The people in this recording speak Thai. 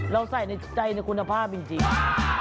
เราใส่ในใจในคุณภาพจริง